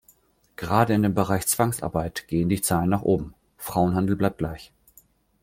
Gerade in dem Bereich Zwangsarbeit gehen die Zahlen nach oben, Frauenhandel bleibt gleich.